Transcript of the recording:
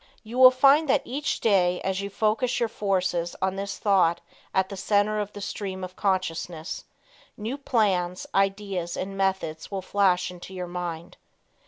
You will find that each day as you focus your forces on this thought at the center of the stream of consciousness, new plans, ideas and methods will flash into your mind.